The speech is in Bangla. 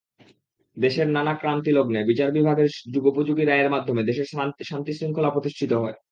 দেশের নানা ক্রান্তিলগ্নে বিচার বিভাগের যুগোপযোগী রায়ের মাধ্যমে দেশে শান্তি-শৃঙ্খলা প্রতিষ্ঠিত হয়।